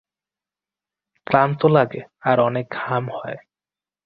ক্লান্ত লাগে আর অনেক ঘাম হয়।